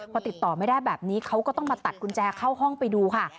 พอติดต่อไม่ได้แบบนี้เขาก็ต้องมาตัดกุญแจเข้าห้องไปดูค่ะ